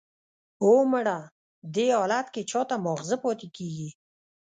"اوه، مړه! دې حالت کې چا ته ماغزه پاتې کېږي!"